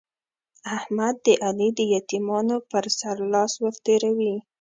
احمد د علي د يتيمانو پر سر لاس ور تېروي.